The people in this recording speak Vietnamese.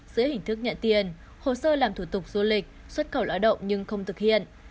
dưới hình thức nhận tiền hồ sơ làm thủ tục du lịch xuất khẩu lao động nhưng không thực hiện